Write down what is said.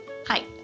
はい。